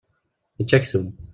Yeĉĉa aksum.